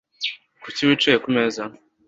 Kuki wicaye kumeza?